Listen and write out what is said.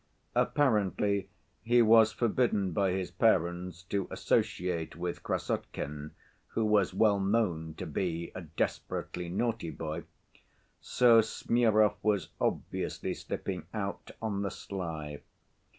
Apparently he was forbidden by his parents to associate with Krassotkin, who was well known to be a desperately naughty boy, so Smurov was obviously slipping out on the sly.